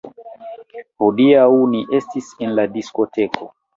Hodiaŭ ni estis en la diskoteko